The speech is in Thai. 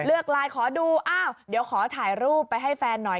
เลือกลายขอดูเดี๋ยวขอถ่ายรูปไปให้แฟนหน่อย